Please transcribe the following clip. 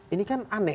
ini kan aneh